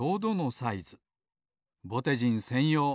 ぼてじんせんよう。